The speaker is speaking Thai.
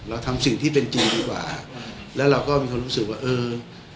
เราทำสิ่งที่เป็นจริงดีกว่าแล้วเราก็มีความรู้สึกว่าเออ